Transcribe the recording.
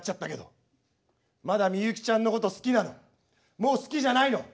もう好きじゃないの？